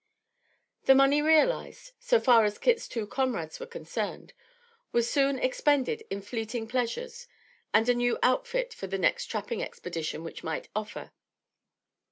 The money realized, so far as Kit's two comrades were concerned, was soon expended in fleeting pleasures and a new outfit for the next trapping expedition which might offer.